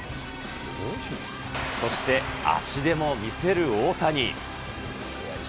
そして足でも見せる大谷。